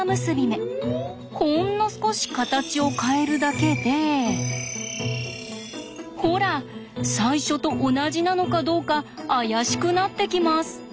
ほんの少し形を変えるだけでほら最初と同じなのかどうか怪しくなってきます。